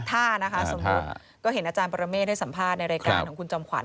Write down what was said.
ถ้านะคะสมมุติก็เห็นอาจารย์ปรเมฆให้สัมภาษณ์ในรายการของคุณจอมขวั